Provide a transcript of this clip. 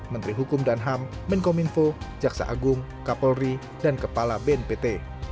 menteri hukum dan ham menkominfo jaksa agung kapolri dan kepala bnpt